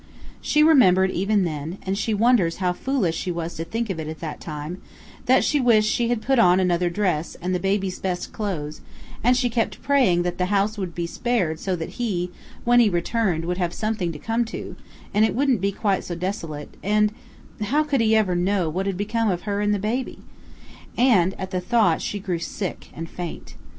She remembered even then, and she wonders how foolish she was to think of it at that time, that she wished she had put on another dress and the baby's best clothes; and she kept praying that the house would be spared so that he, when he returned, would have something to come to, and it wouldn't be quite so desolate, and how could he ever know what had become of her and baby? And at the thought she grew sick and faint.